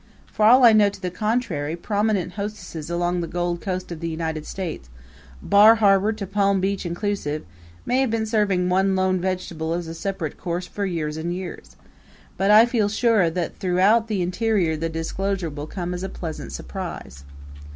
For all I know to the contrary, prominent hostesses along the Gold Coast of the United States Bar Harbor to Palm Beach inclusive may have been serving one lone vegetable as a separate course for years and years; but I feel sure that throughout the interior the disclosure will come as a pleasant surprise.